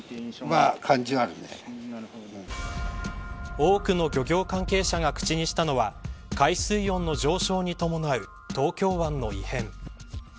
多くの漁業関係者が口にしたのは海水温の上昇に伴う東京湾の異変。